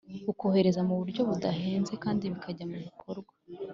ukorohereza mu buryo budahenze kandi bikajya mu bikorwa